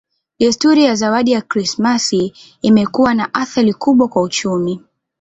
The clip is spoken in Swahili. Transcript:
Desturi ya zawadi za Krismasi imekuwa na athari kubwa kwa uchumi.